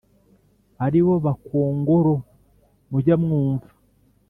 ari bo bakongoro mujya mwumva